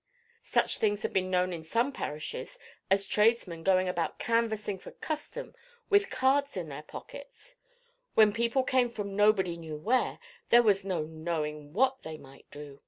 Such things had been known in some parishes as tradesmen going about canvassing for custom with cards in their pockets: when people came from nobody knew where, there was no knowing what they might do.